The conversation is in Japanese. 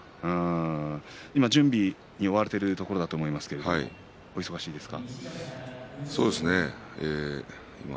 今準備に追われているところだと思いますがお忙しいですか？